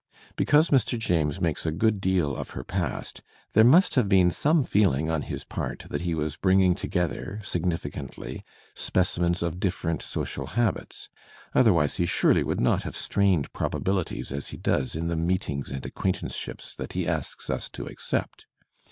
Because Mr. James makes a good deal of her past, there must have been some feeling on his part that he was bringing together, significantly, specimens of different social habits; otherwise he surely would not have strained proba bilities as he does in the meetings and acquaintanceships that he asks us to accept.